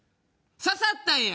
刺さったんや！